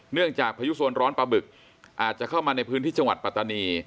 จากพายุโซนร้อนปลาบึกอาจจะเข้ามาในพื้นที่จังหวัดปัตตานี